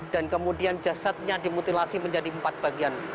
dan kemudian jasadnya dimutilasi menjadi empat bagian